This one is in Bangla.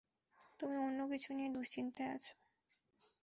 তুমি অন্য কিছু নিয়ে দুশ্চিন্তায় আছো।